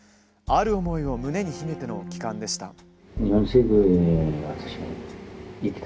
ある思いを胸に秘めての帰還でした。